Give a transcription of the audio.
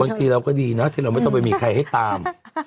บางทีเราก็ดีนะที่เราไม่ต้องไปมีใครให้ตาม